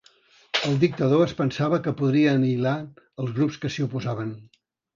El dictador es pensava que podria anihilar els grups que s'hi oposaven.